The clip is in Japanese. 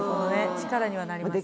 力にはなりますね